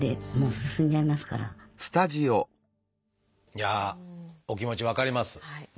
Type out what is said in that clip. いやあお気持ち分かります。